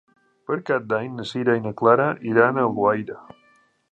Per Cap d'Any na Sira i na Clara iran a Alguaire.